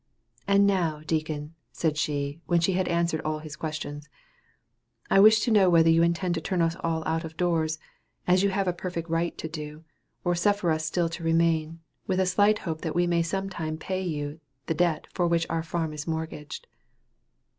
"And now, deacon," said she, when she had answered all his questions, "I wish to know whether you intend to turn us all out of doors, as you have a perfect right to do or suffer us still to remain, with a slight hope that we may sometime pay you the debt for which our farm is mortgaged."